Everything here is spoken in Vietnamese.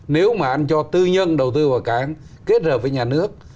nếu mà ăn cho tư nhân đầu tư vào cảng kết hợp với nhà nước